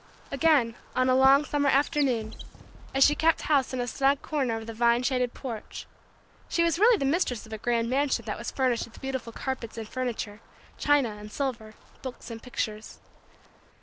Again, on a long summer afternoon, as she kept house in a snug corner of the vine shaded porch, she was really the mistress of a grand mansion that was furnished with beautiful carpets and furniture, china and silver, books and pictures.